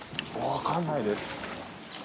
分かんないです。